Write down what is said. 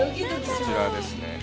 こちらですね。